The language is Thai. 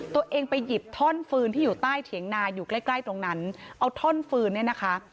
ตัวเองไปหยิบท่อนฟืนที่อยู่ใต้เถียงนาอยู่ใกล้ใกล้ตรงนั้นเอาท่อนฟืนเนี่ยนะคะ